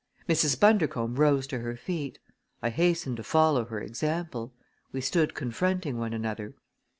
Mrs. Bundercombe rose to her feet. I hastened to follow her example. We stood confronting one another.